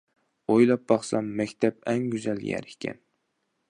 ئويلاپ باقسام مەكتەپ ئەڭ گۈزەل يەر ئىكەن.